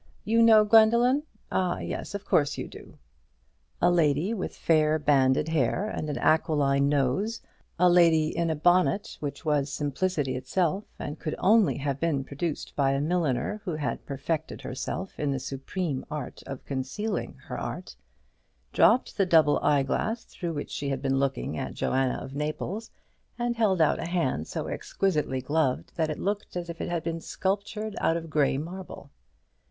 You know Gwendoline? ah, yes, of course you do." A lady with fair banded hair and an aquiline nose a lady in a bonnet which was simplicity itself, and could only have been produced by a milliner who had perfected herself in the supreme art of concealing her art dropped the double eye glass through which she had been looking at Joanna of Naples, and held out a hand so exquisitely gloved that it looked as if it had been sculptured out of grey marble.